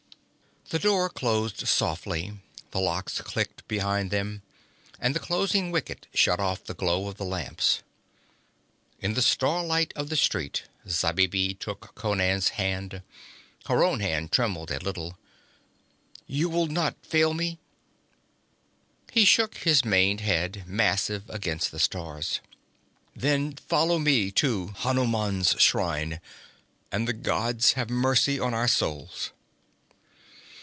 The door closed softly, the locks clicked behind them, and the closing wicket shut off the glow of the lamps. In the starlight of the street Zabibi took Conan's hand. Her own hand trembled a little. 'You will not fail me?' He shook his maned head, massive against the stars. 'Then follow me to Hanuman's shrine, and the gods have mercy on our souls!'